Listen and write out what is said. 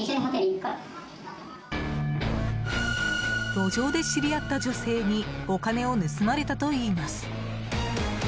路上で知り合った女性にお金を盗まれたといいます。